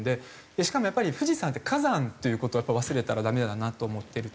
しかもやっぱり富士山って火山という事を忘れたらダメだなと思ってて。